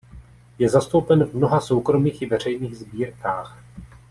Je zastoupen v mnoha soukromých i veřejných sbírkách.